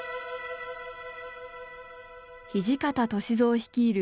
土方歳三率いる